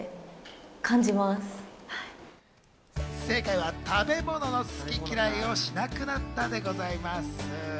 正解は食べ物の好き嫌いをしなくなったでございます。